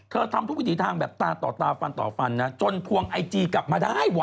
ทำทุกวิถีทางแบบตาต่อตาฟันต่อฟันนะจนพวงไอจีกลับมาได้ว่